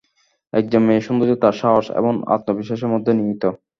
একজন মেয়ের সৌন্দর্য তার সাহস এবং আত্মবিশ্বাসের মধ্যে নিহিত।